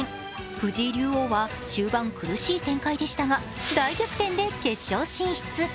藤井竜王は終盤苦しい展開でしたが、大逆転で決勝進出。